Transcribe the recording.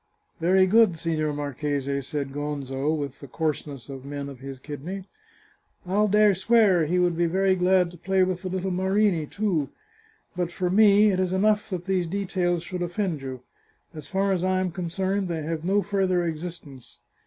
" Very good, Signor Marchese," said Gonzo, with the coarseness of men of his kidney. " I'll dare swear he would be very glad to play with the little Marini too. But for me it is enough that these details should offend you. As far as I am concerned, they have no further existence.